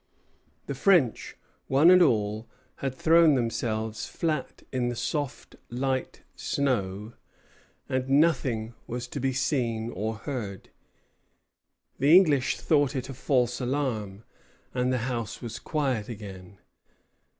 The French, one and all, had thrown themselves flat in the soft, light snow, and nothing was to be seen or heard. The English thought it a false alarm, and the house was quiet again.